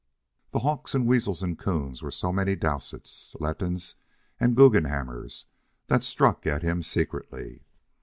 The hawks and weasels and 'coons were so many Dowsetts, Lettons, and Guggenhammers that struck at him secretly.